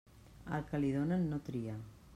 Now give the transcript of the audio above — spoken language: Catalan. Al que li donen, no tria.